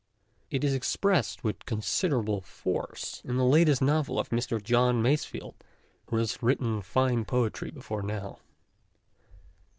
It is expressed with con siderable force in the latest novel of Mr. John Masefield, who has written fine poetry before now.